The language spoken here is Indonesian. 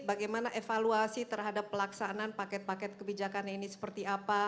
bagaimana evaluasi terhadap pelaksanaan paket paket kebijakan ini seperti apa